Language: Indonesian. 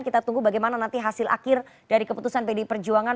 kita tunggu bagaimana nanti hasil akhir dari keputusan pdi perjuangan